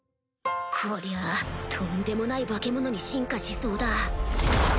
こりゃとんでもない化け物に進化しそうだ